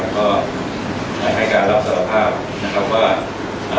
ก็ให้การรับสารภาพว่า